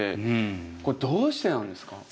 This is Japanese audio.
これどうしてなんですか？